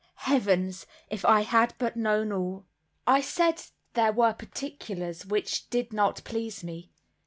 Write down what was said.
Heavens! If I had but known all! I said there were particulars which did not please me.